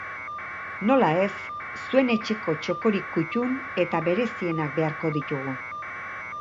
Nola ez, zuen etxeko txokorik kuttun edo berezienak beharko ditugu!